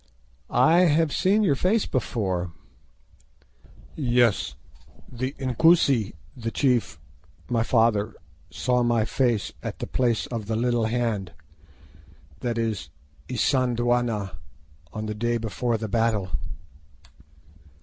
"I have seen your face before." "Yes; the Inkoosi, the chief, my father, saw my face at the place of the Little Hand"—that is, Isandhlwana—"on the day before the battle."